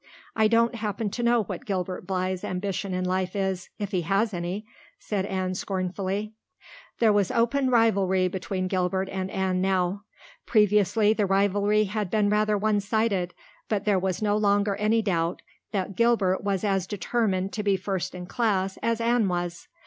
"I don't happen to know what Gilbert Blythe's ambition in life is if he has any," said Anne scornfully. There was open rivalry between Gilbert and Anne now. Previously the rivalry had been rather one sided, but there was no longer any doubt that Gilbert was as determined to be first in class as Anne was.